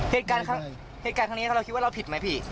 เหตุการณ์ครั้งนี้เราคิดว่าเราผิดไหมพี่